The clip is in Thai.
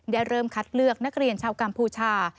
เริ่มคัดเลือกนักเรียนชาวกัมพูชา